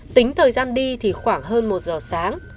tính thời gian đi thì khoảng hơn một giờ sáng